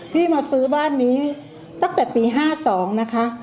พี่มาซื้อบ้านนี้ตั้งแต่ปี๕๒นะคะ